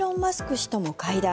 氏とも会談。